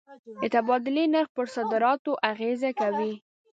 د تبادلې نرخ پر صادراتو اغېزه کوي.